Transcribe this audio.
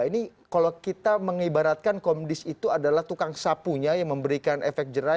ini kalau kita mengibaratkan komdis itu adalah tukang sapunya yang memberikan efek jerai